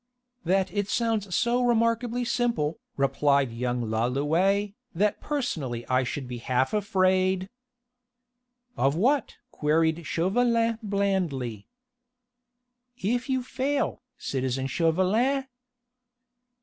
"That it sounds so remarkably simple," replied young Lalouët, "that personally I should be half afraid...." "Of what?" queried Chauvelin blandly. "If you fail, citizen Chauvelin...."